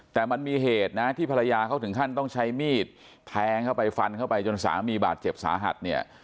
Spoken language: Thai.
แต่มันมีเหตุนะที่ภรรยาเขาถึงขั้นต้องใช้มีดแทงเข้าไปฟันเข้าไปจนสามีบาดเจ็บสาหัสเนี่ย